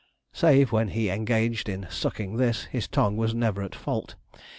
Save when engaged in sucking this, his tongue was never at fault.